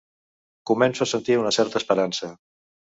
Començo a sentir una certa esperança.